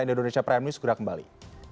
seara indonesia prime news sudah kembali